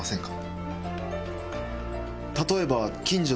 例えば。